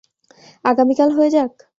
আগামীকাল হয়ে যাক?